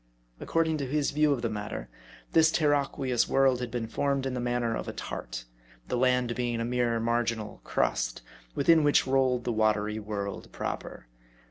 According to his view of the mat ter, this terraqueous world had been formed in the manner of a tart ; the land being a mere marginal crust, within which rolled the watery world proper.